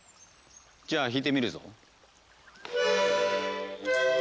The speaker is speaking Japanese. じゃあ弾いてみるぞ。